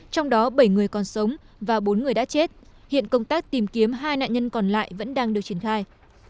trong đó bảy người còn sống và bốn người đã chết hiện công tác tìm kiếm hai nạn nhân còn lại vẫn đang được triển khai